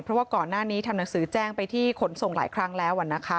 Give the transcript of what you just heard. เพราะว่าก่อนหน้านี้ทำหนังสือแจ้งไปที่ขนส่งหลายครั้งแล้ว